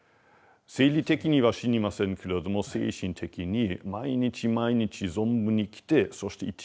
生理的には死にませんけれども精神的に毎日毎日存分に生きてそして１日分だけ死ぬ。